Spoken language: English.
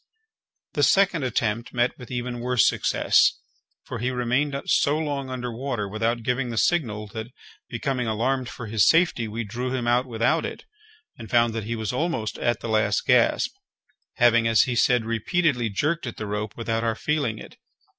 The second attempt met with even worse success; for he remained so long under water without giving the signal, that, becoming alarmed for his safety, we drew him out without it, and found that he was almost at the last gasp, having, as he said, repeatedly jerked at the rope without our feeling it.